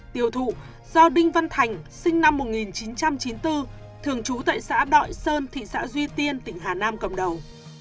tiêu thụ do đinh văn thành sinh năm một nghìn chín trăm chín mươi bốn thường trú tại xã đội sơn thị xã duy tiên tỉnh hà nam cầm đầu